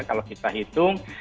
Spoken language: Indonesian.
kalau kita hitung